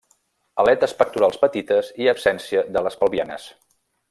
Aletes pectorals petites i absència de les pelvianes.